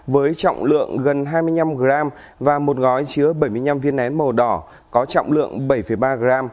với trọng lượng gần hai mươi năm g và một gói chứa bảy mươi năm viên nén màu đỏ có trọng lượng bảy ba gram